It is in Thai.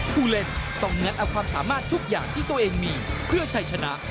ผู้เล่นต้องงัดเอาความสามารถทุกอย่างที่ตัวเองมีเพื่อชัยชนะ